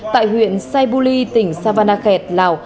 tại huyện saibuli tỉnh savanakhet lào